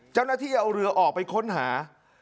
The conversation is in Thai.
เจ้าหน้าที่จะเอาเรือออกไปค้นหา